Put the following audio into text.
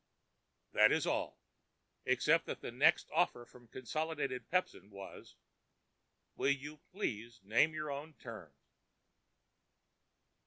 That is all—except that the next offer of Consolidated Pepsin was, "Will you please name your own terms?"